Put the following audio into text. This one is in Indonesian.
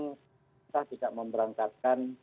kita tidak memperangkatkan